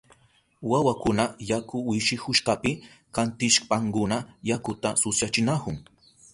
Wawakuna yaku wishihushkapi kantishpankuna yakuta susyachinahun.